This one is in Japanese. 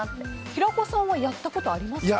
平子さんはやったことありますか？